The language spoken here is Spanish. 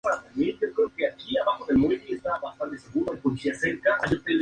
Los ojos de color amarillo brillante son una falta eliminatoria.